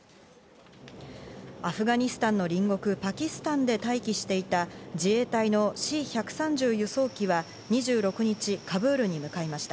アフガニスタンの隣国パキスタンで待機していた自衛隊のＣ１３０輸送機は２６日、カブールに向かいました。